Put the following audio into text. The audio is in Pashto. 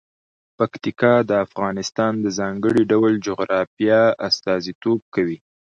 پکتیکا د افغانستان د ځانګړي ډول جغرافیه استازیتوب کوي.